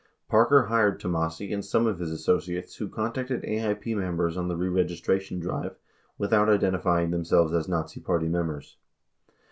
80 Parker hired Tomassi and some of his associates who contacted AIP members on the reregistration drive without iden tifying themselves as Nazi Party members.